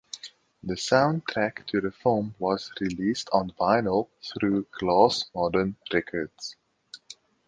The soundtrack to the film was released on vinyl through Glass Modern Records.